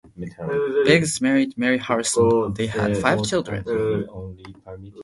Beggs married Mary Harrison, and they had five children.